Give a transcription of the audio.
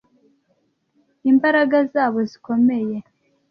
Imbaraga zabo zikomeye;